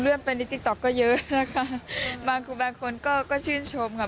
เรื่องเป็นนิติกต๊อกก็เยอะนะคะบางคนก็ก็ชื่นชมค่ะ